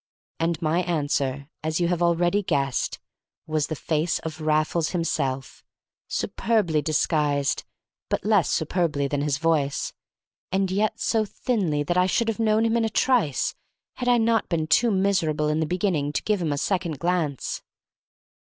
And my answer, as you have already guessed, was the face of Raffles himself, superbly disguised (but less superbly than his voice), and yet so thinly that I should have known him in a trice had I not been too miserable in the beginning to give him a second glance.